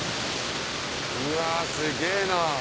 うわすげぇな。